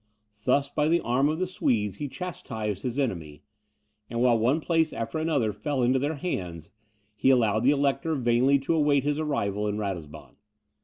Thus, by the arm of the Swedes, he chastised his enemy; and while one place after another fell into their hands, he allowed the Elector vainly to await his arrival in Ratisbon.